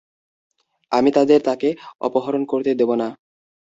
আমি তাদের তাকে অপহরণ করতে দেব না!